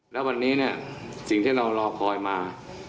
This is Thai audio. แล้ววันนี้เนี่ยสิ่งที่เรารอคอยมา